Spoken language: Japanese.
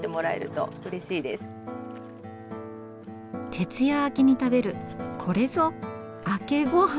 徹夜明けに食べるこれぞ明けごはん！